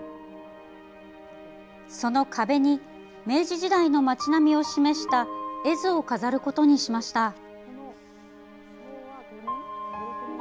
その壁に明治時代の町並みを示した絵図を飾ることにしました。